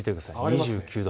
２９度。